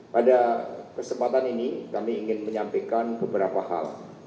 pada kesempatan ini kami ingin menyampaikan beberapa hal